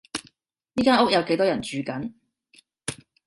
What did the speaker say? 呢間屋有幾多人住緊？